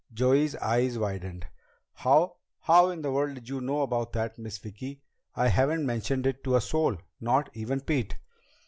Joey's eyes widened. "How how in the world did you know about that, Miss Vicki? I haven't mentioned it to a soul. Not even Pete."